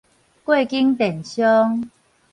過境電商